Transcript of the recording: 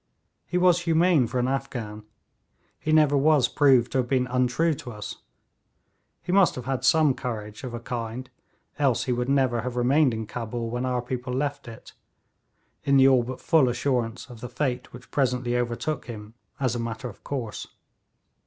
He was humane for an Afghan; he never was proved to have been untrue to us; he must have had some courage of a kind else he would never have remained in Cabul when our people left it, in the all but full assurance of the fate which presently overtook him as a matter of course.